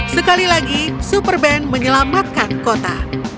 sekali lagi super band menyelamatkan kota